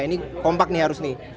ini kompak nih harus nih